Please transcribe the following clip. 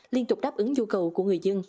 liên tục đáp ứng nhu cầu của người dân